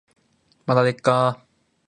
まだですかー